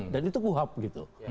dan itu puhaf gitu